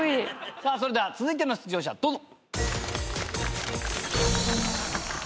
さあそれでは続いての出場者どうぞ。